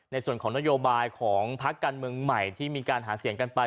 ในส่วนของนโยบายของพักการเมืองใหม่ที่มีการหาเสียงกันไป